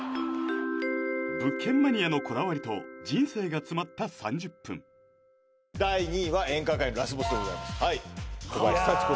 物件マニアのこだわりと人生が詰まった３０分第２位は「演歌界のラスボス」でございます